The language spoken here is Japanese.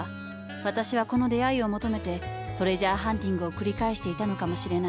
私はこの出会いを求めてトレジャーハンティングを繰り返していたのかもしれない。